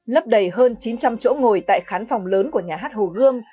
lấp đầy hơn chín trăm linh chỗ ngồi tại khán phòng lớn của thành phố